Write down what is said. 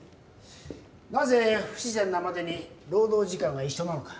なぜ不自然なまでに労働時間が一緒なのか